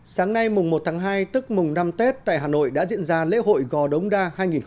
sáng nay mùng một tháng hai tức mùng năm tết tại hà nội đã diễn ra lễ hội gò đống đa hai nghìn hai mươi